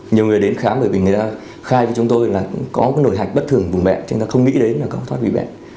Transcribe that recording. nhiều người đến khám bởi vì người ta khai với chúng tôi là có một nổi hạch bất thường ở vùng bệnh chúng ta không nghĩ đến là có thoát vị bệnh